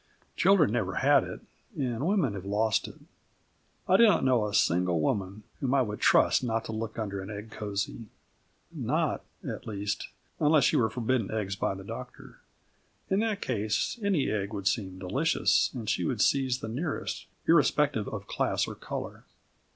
Children never had it, and women have lost it. I do not know a single woman whom I would trust not to look under an egg cosy not, at least, unless she were forbidden eggs by the doctor. In that case, any egg would seem delicious, and she would seize the nearest, irrespective of class or colour.